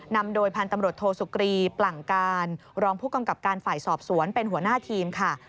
นำโดยพันธุ์ตำรวจโทสุกรีปลั่งการรองผู้กำกับการฝ่ายสอบสวนเป็นหัวหน้าทีมค่ะ